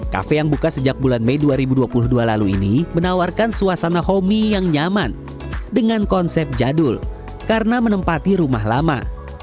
kafe yang buka sejak bulan mei dua ribu dua puluh dua lalu ini menawarkan suasana homi yang nyaman dengan konsep jadul karena menempati rumah lama